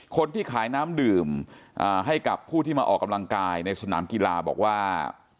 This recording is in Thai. คนที่ขายน้ำดื่มให้กับผู้ที่มาออกกำลังกายในสนามกีฬาบอกว่า